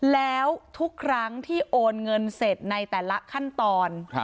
แล้วทุกครั้งที่โอนเงินเสร็จในแต่ละขั้นตอน